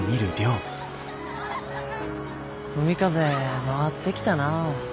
海風回ってきたなあ。